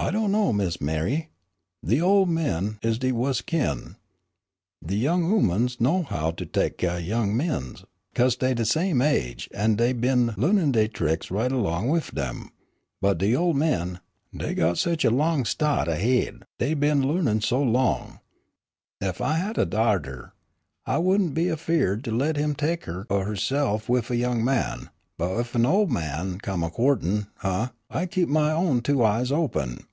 "I do' know, Miss M'ree. De ol' men is de wuss kin'. De young oomans knows how to tek de young mans, 'case dey de same age, an' dey been lu'nin' dey tricks right along wif dem'; but de ol' men, dey got sich a long sta't ahaid, dey been lu'nin' so long. Ef I had a darter, I wouldn' be afeard to let huh tek keer o' huhse'f wif a young man, but ef a ol' man come a cou'tin' huh, I'd keep my own two eyes open."